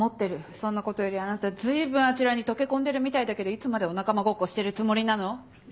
そんなことよりあなた随分あちらに溶け込んでるみたいだけどいつまでお仲間ごっこしてるつもりなの？